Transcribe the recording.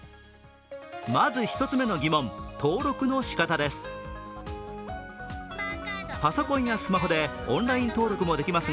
まず、１つ目の疑問、登録の仕方です。